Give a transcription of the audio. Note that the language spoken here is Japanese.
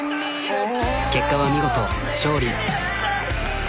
結果は見事勝利。